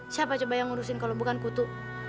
siapa coba yang ngurusin kalau bukan kutu